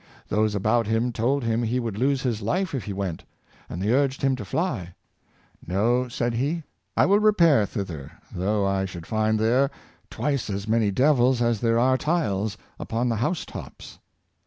Those about him told him he would lose his life if he went, and they urged him to fly. " No," said he, ^' I will repair thither, though I should find there twice as many devils as there are tiles upon the house tops!"